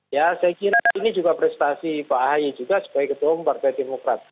ya saya kira ini juga prestasi pak ahaye juga sebagai ketua umum partai demokrat